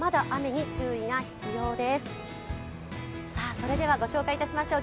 それではご紹介いたしましょう。